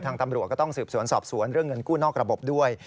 ตำรวจก็ต้องสืบสวนสอบสวนเรื่องเงินกู้นอกระบบด้วย